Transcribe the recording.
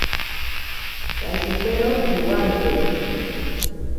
Pashitero piwante.